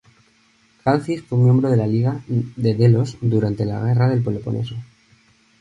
Calcis fue miembro de la Liga de Delos durante la Guerra del Peloponeso.